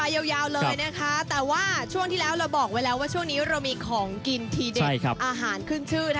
เยอะแยวเลยแต่ว่าช่วงที่ล้าเรากบอกว่าเรามีของกินทีเด็ดอาหารขึ้นชื่อ